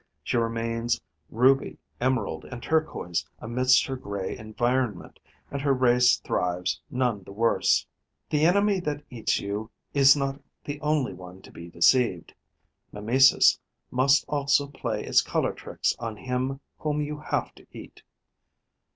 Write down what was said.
She remains ruby, emerald and turquoise amidst her grey environment; and her race thrives none the worse. The enemy that eats you is not the only one to be deceived; mimesis must also play its colour tricks on him whom you have to eat.